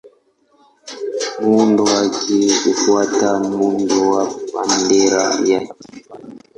Muundo wake hufuata muundo wa bendera ya kifalme.